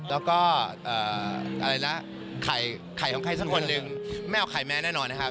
แล้วก็อะไรละไข่ของใครสักคนหนึ่งไม่เอาไข่แม่แน่นอนนะครับ